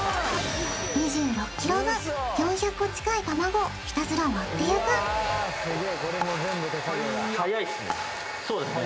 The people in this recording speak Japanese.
２６ｋｇ分４００個近いたまごをひたすら割っていくそうですね